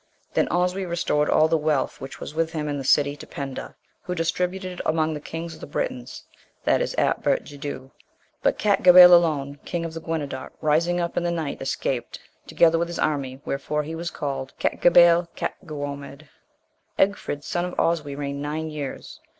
Then Oswy restored all the wealth, which was with him in the city, to Penda; who distributed it among the kings of the Britons, that is Atbert Judeu. But Catgabail alone, king of Guenedot, rising up in the night, excaped, together with his army, wherefore he was called Catgabail Catguommed. Egfrid, son of Oswy, reigned nine years.